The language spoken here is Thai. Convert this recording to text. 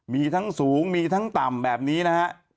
มีทั้งสูงมีทั้งต่ำแบบนี้นะฮะ